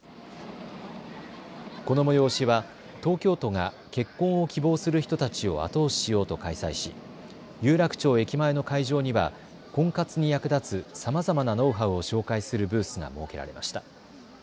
この催しは東京都が結婚を希望する人たちを後押ししようと開催し有楽町駅前の会場には婚活に役立つさまざまなノウハウを紹介するブースが設けられました。